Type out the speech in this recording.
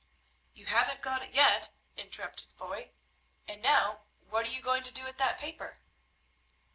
"You haven't got it yet," interrupted Foy. "And now, what are you going to do with that paper?"